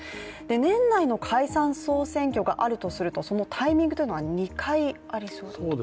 年内の解散総選挙があるとするとそのタイミングというのが２回ありそうです。